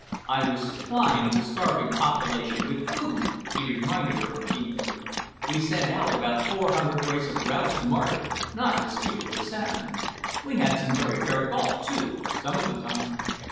"I was supplying the starving population with food," he reminded her genially. "We sent about four hundred brace of grouse to market, not to speak of the salmon. We had some very fair golf, too, some of the time."